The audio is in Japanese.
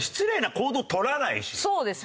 そうです。